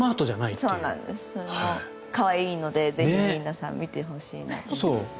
それも可愛いのでぜひ皆さん見てほしいなと。